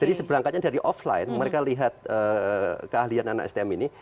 jadi seberangkatnya dari offline mereka lihat keahlian anak stm ini